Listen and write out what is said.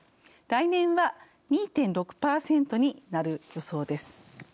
来年は２．６％になる予想です。